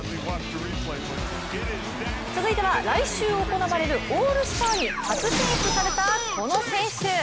続いては、来週行われるオールスターに初選出された、この選手。